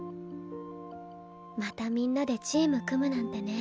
またみんなでチーム組むなんてね。